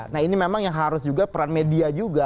nah ini memang yang harus juga peran media juga